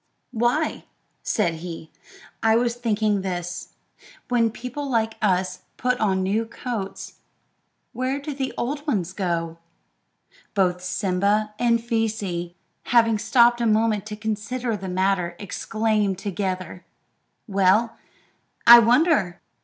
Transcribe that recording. "Why," said he, "I was thinking this: When people like us put on new coats, where do the old ones go to?" Both Simba and Feesee, having stopped a moment to consider the matter, exclaimed together, "Well, I wonder!"